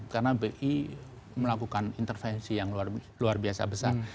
karena bi melakukan intervensi yang luar biasa besar